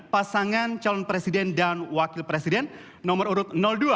pasangan calon presiden dan wakil presiden nomor urut dua